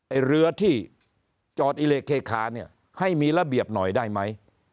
เรือที่จอดอิเล็กเคคาเนี่ยให้มีระเบียบหน่อยได้ไหม